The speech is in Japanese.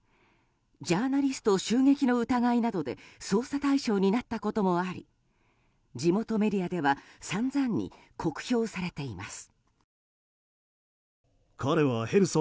ジャーナリスト襲撃の疑いなどで捜査対象になったこともあり地元メディアでは散々に酷評されています。